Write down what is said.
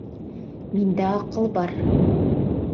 Миндә аҡыл бар.